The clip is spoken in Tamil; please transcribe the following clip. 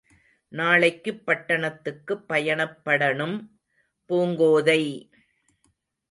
நாளைக்குப் பட்டணத்துக்குப் பயணப்படணும்...! பூங்கோதை!